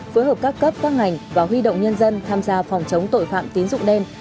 phối hợp các cấp các ngành và huy động nhân dân tham gia phòng chống tội phạm tín dụng đen